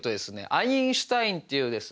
アインシュタインっていうですね